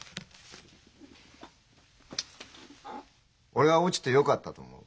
俺は落ちてよかったと思う。